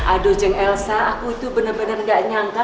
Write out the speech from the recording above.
aduh jeng elsa aku itu bener bener nggak nyangka